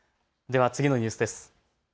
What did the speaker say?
では次のニュースです。